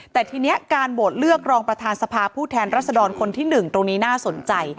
แต่ทีนี้การโหวตเลือกรองประธานสภาผู้แทนรัศดรคนที่๑ตรงนี้น่าสนใจ